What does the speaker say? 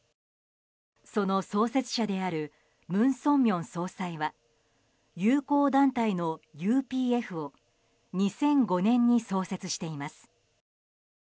その創設者であるムン・ソンミョン総裁は友好団体のＵＰＦを２００５年に創設しています。